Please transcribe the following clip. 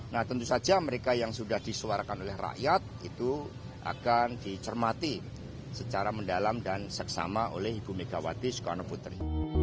nah tentu saja mereka yang sudah disuarakan oleh rakyat itu akan dicermati secara mendalam dan seksama oleh ibu megawati soekarno putri